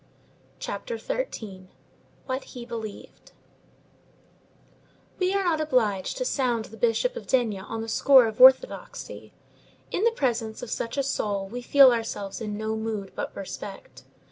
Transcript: CHAPTER XIII—WHAT HE BELIEVED We are not obliged to sound the Bishop of D—— on the score of orthodoxy. In the presence of such a soul we feel ourselves in no mood but respect.